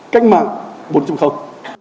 cách mạng bốn chục không